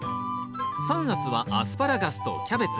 ３月は「アスパラガス」と「キャベツ」。